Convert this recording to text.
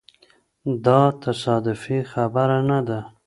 دا تصادفي خبره نه ده.